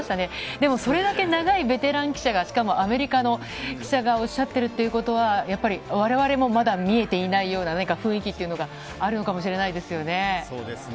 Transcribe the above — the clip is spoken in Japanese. でもそれだけ長いベテラン記者が、しかもアメリカの記者がおっしゃってるっていうことは、やっぱりわれわれもまだ見えていないようななんか雰囲気というのがあるのかもしれないですよね。